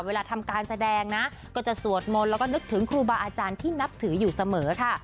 เวลาทำการแสดงนะก็จะสวดมนต์แล้วก็นึกถึงครูบาอาจารย์ที่นับถืออยู่เสมอค่ะ